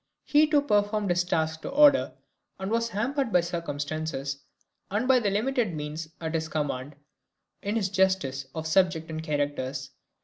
He too performed his task to order, and was hampered by circumstances, and by the limited means at his command in his choice of subject and characters.